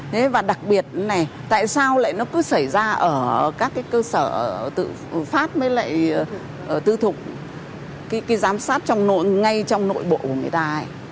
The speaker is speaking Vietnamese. thế và đặc biệt này tại sao lại nó cứ xảy ra ở các cái cơ sở tự phát mới lại tư thục cái giám sát trong ngay trong nội bộ của người ta